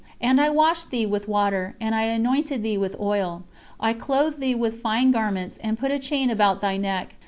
And I washed thee with water, and I anointed thee with oil. I clothed thee with fine garments, and put a chain about thy neck.